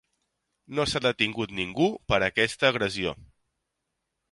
No s'ha detingut ningú per aquesta agressió.